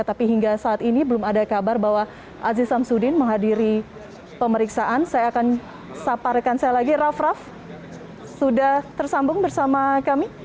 tapi hingga saat ini belum ada kabar bahwa aziz samsudin menghadiri pemeriksaan saya akan saparkan saya lagi raff raff sudah tersambung bersama kami